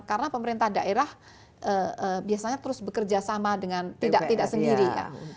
karena pemerintah daerah biasanya terus bekerja sama dengan tidak tidak sendiri ya